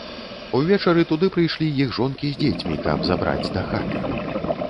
Увечары туды прыйшлі іх жонкі з дзецьмі, каб забраць дахаты.